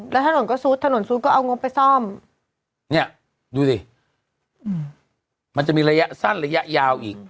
แล้วถนนก็ซุดถนนซุดก็เอางบไปซ่อมเนี่ยดูสิมันจะมีระยะสั้นระยะยาวอีก